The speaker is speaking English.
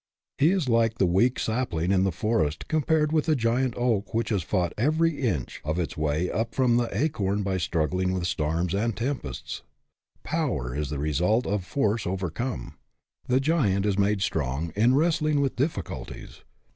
He is like the weak sap ling in the forest compared with the giant oak which has fought every inch of its way up from the acorn by struggling with storms and tempasts. Power is the result of force overcome. The giant is made strong in wrestling with diffi culties.